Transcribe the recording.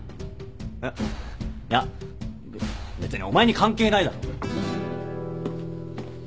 いやいやべっ別にお前に関係ないだろ？